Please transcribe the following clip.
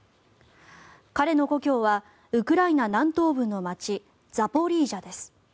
彼の故郷はウクライナ南東部の街ザポリージャです。